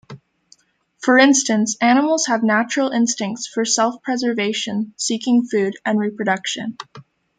For instance, animals have natural instincts for self-preservation, seeking food, and reproduction.